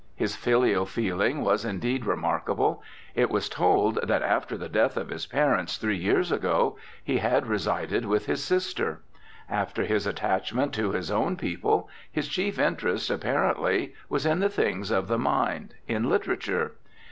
His filial feeling was indeed remarkable. It was told that "after the death of his parents, three years ago, he had resided with his sister." After his attachment to his own people, his chief interest, apparently, was in the things of the mind, in literature.